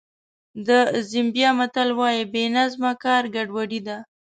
د زیمبیا متل وایي بې نظمه کار ګډوډي ده.